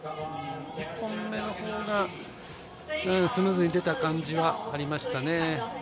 １本目のほうがスムーズに出た感じがありましたね。